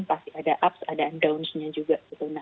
pasti ada ups dan downs nya juga